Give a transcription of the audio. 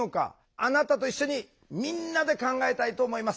あなたと一緒にみんなで考えたいと思います。